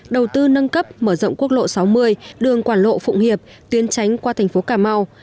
đầu tư nâng cấp mở rộng quốc lộ sáu mươi đường quảng lộ phụng hiệp tuyến tránh qua thành phố cà mau